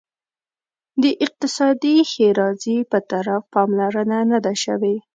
د اقتصادي ښیرازي په طرف پاملرنه نه ده شوې.